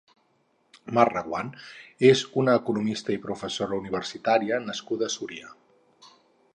Mar Reguant és una economista i professora universitària nascuda a Súria.